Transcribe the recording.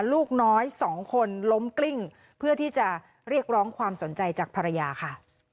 ลูกน้อยสองคนล้มกลิ้งเพื่อที่จะเรียกร้องความสนใจจากภรรยาค่ะ